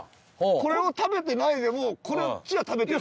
これを食べてないでもこっちは食べてるわけだよね。